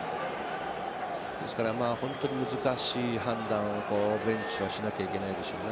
本当に難しい判断をベンチはしなきゃいけないでしょうね。